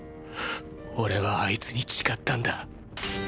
俺はあいつに誓ったんだ。